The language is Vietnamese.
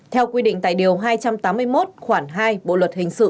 theo quy định tại điều hai trăm tám mươi một khoản hai bộ luật hình sự